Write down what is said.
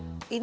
itu dia kinar